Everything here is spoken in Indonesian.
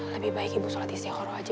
lebih baik ibu sholat istiqoroh aja